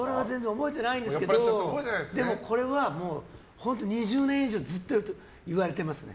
覚えてないんですけどこれは本当２０年以上ずっと言われてますね。